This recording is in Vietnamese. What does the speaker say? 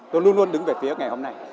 tôi luôn luôn đứng về phía ngày hôm nay